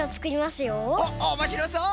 おっおもしろそう！